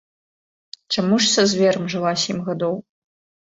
Чаму ж са зверам жыла сем гадоў?